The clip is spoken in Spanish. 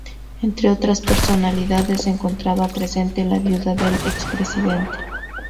Entre otras personalidades se encontraba presente la viuda del expresidente.